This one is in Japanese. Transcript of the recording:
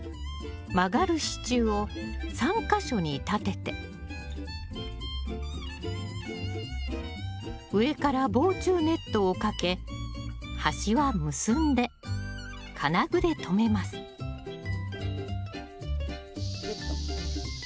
曲がる支柱を３か所に立てて上から防虫ネットをかけ端は結んで金具で留めますぎゅっと。